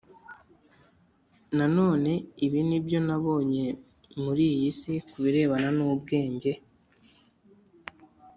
Nanone ibi ni byo nabonye muri iyi si ku birebana n ubwenge